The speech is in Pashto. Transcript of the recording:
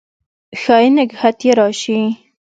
ښايي نګهت یې راشي